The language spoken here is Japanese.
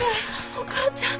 お母ちゃん